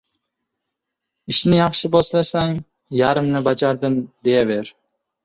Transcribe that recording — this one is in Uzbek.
Ishni yaxshi boshlasang — yarmini bajardim deyaver.